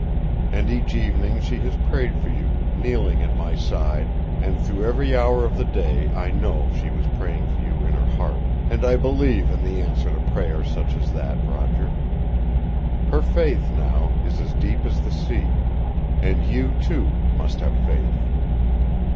And each evening she has prayed for you, kneeling at my side, and through every hour of the day I know she was praying for you in her heart and I believe in the answer to prayer such as that, Roger. Her faith, now, is as deep as the sea. And you, too, must have faith."